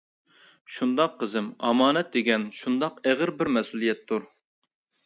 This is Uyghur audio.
شۇنداق قىزىم ئامانەت دېگەن شۇنداق ئېغىر بىر مەسئۇلىيەتتۇر.